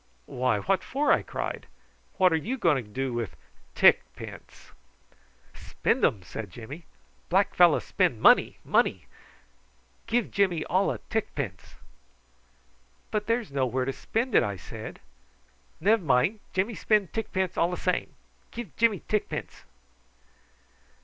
"Why, what for?" I cried. "What are you going to do with tick pence?" "Spend um," said Jimmy; "black fellow spend money, money. Give Jimmy all a tickpence." "But there's nowhere to spend it," I said. "Nev mind, Jimmy spend tickpence all a same. Give Jimmy tickpence."